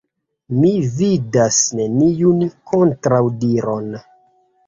Mi vidas neniun kontraŭdiron.